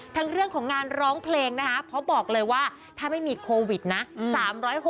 ทั้งเรื่องของงานร้องเพลงนะคะเพราะบอกเลยว่าถ้าไม่มีโควิดนะ